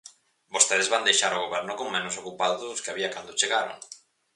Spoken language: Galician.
Vostedes van deixar o goberno con menos ocupados dos que había cando chegaron.